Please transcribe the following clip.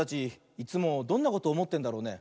いつもどんなことおもってんだろうね。